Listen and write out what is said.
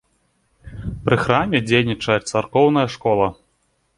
Пры храме дзейнічае царкоўная школа.